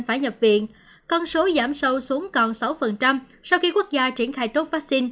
phải nhập viện con số giảm sâu xuống còn sáu sau khi quốc gia triển khai tốt vaccine